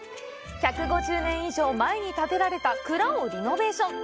１５０年以上前に建てられた蔵をリノベーション。